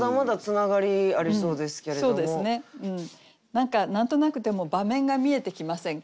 何か何となくでも場面が見えてきませんか？